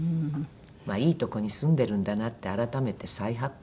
いいとこに住んでるんだなって改めて再発見。